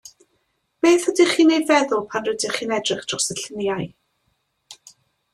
Beth ydych chi'n ei feddwl pan rydych chi'n edrych dros y lluniau.